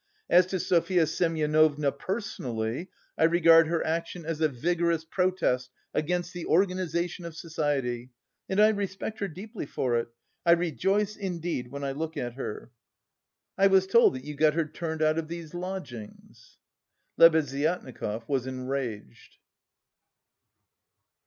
As to Sofya Semyonovna personally, I regard her action as a vigorous protest against the organisation of society, and I respect her deeply for it; I rejoice indeed when I look at her!" "I was told that you got her turned out of these lodgings." Lebeziatnikov was enraged.